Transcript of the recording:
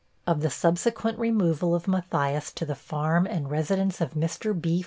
Of the subsequent removal of Matthias to the farm and residence of Mr. B.